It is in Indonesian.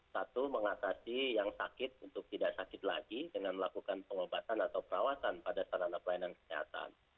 satu mengatasi yang sakit untuk tidak sakit lagi dengan melakukan pengobatan atau perawatan pada sarana pelayanan kesehatan